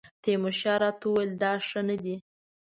تیمورشاه راته وویل دا ښه نه دی.